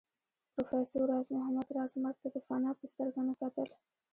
پروفېسر راز محمد راز مرګ ته د فناء په سترګه نه کتل